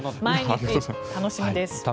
毎日楽しみです。